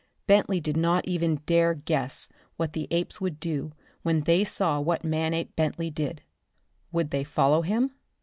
Bentley did not even yet dare guess what the apes would do when they saw what Manape Bentley did. Would they follow him?